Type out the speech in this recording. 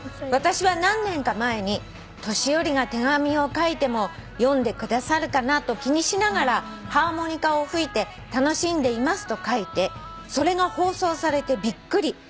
「私は何年か前に年寄りが手紙を書いても読んでくださるかなと気にしながら『ハーモニカを吹いて楽しんでいます』と書いてそれが放送されてびっくり。